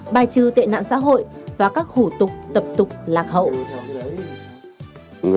bài trừ tệ nạn xã hội và các hủ tục tập tục lạc hậu